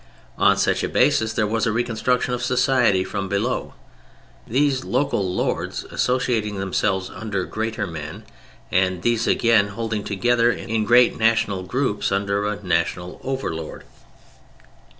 On such a basis there was a reconstruction of society from below: these local lords associating themselves under greater men, and these again holding together in great national groups under a national overlord.